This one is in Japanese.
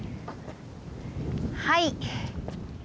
はい。